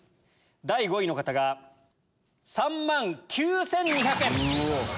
第５位の方が３万９２００円。